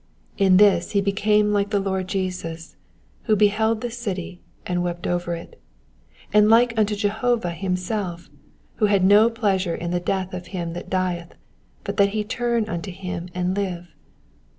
In this he became like the Lord Jesus, who beheld the city, and wept over it ; and like unto Jehovah himself, who hath no pleasure in the death of him that dieth, but that he turn unto him and live.